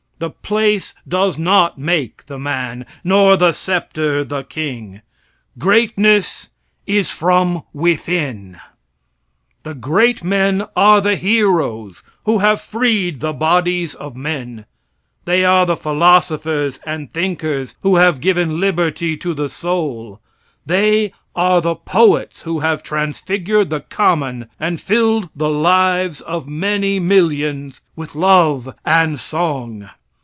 The place does not make the man, nor the sceptre the king. Greatness is from within. The great men are the heroes who have freed the bodies of men; they are the philosophers and thinkers who have given liberty to the soul; they are the poets who have transfigured the common and filled the lives of many millions with love and song.